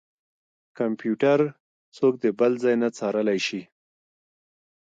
کمپيوټر څوک د بل ځای نه څارلی شي.